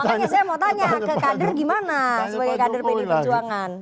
makanya saya mau tanya ke kader gimana sebagai kader pdi perjuangan